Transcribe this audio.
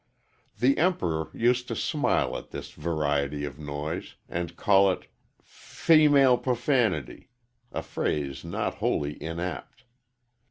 The Emperor used to smile at this variety of noise and call it "f f female profanity," a phrase not wholly inapt.